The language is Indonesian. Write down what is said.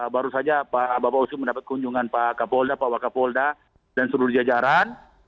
baru saja bapak usko mendapat kunjungan pak kapolda pak wak kapolda dan seluruh raja jalan